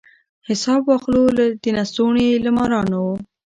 حساب واخلو د لستوڼي له مارانو